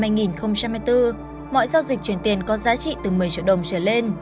mọi giao dịch chuyển tiền có giá trị từ một mươi triệu đồng trở lên